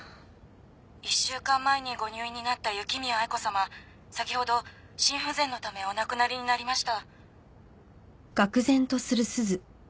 「１週間前にご入院になった雪宮愛子様先ほど心不全のためお亡くなりになりました」